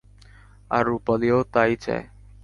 আর, রূপালিও তাই চায়।